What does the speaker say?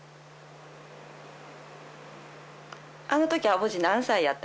あの時アボジ何歳やった？